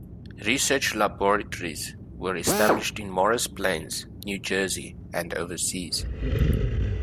Research laboratories were established in Morris Plains, New Jersey, and overseas.